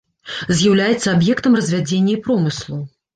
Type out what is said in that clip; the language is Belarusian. З'яўляецца аб'ектам развядзення і промыслу.